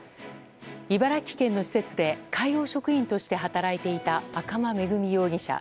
茨城県の施設で介護職員として働いていた赤間恵美容疑者。